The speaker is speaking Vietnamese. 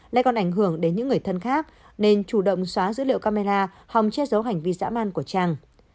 lại còn ảnh hưởng đến những người thân khác nên chủ động xóa dữ liệu camera hòng che giấu hành vi dã man của trang